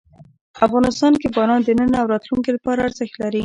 افغانستان کې باران د نن او راتلونکي لپاره ارزښت لري.